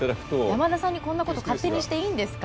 山田さんにこんなこと勝手にしていいんですか？